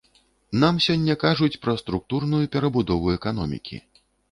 Нам сёння кажуць пра структурную перабудову эканомікі.